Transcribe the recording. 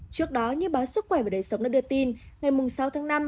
trước đó như báo sức khỏe và đời sống đã đưa tin ngày sáu tháng năm